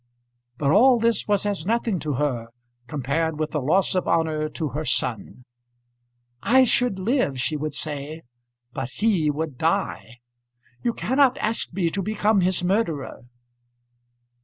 But all this was as nothing to her compared with the loss of honour to her son. "I should live," she would say; "but he would die. You cannot ask me to become his murderer!"